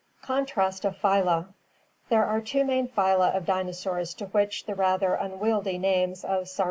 Contrast of Phyla. — The two main phyla of dinosaurs to which the rather unwieldy names of Saurischia (Gr.